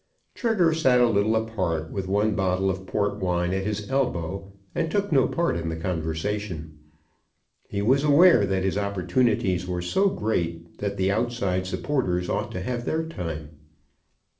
Trigger sat a little apart, with one bottle of port wine at his elbow, and took no part in the conversation. He was aware that his opportunities were so great that the outside supporters ought to have their time.